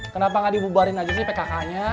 kenapa nggak dibubarin aja sih pkk nya